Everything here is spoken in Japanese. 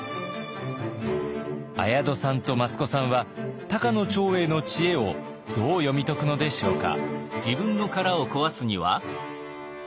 綾戸さんと益子さんは高野長英の知恵をどう読み解くのでしょうか？